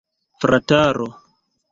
Frataro!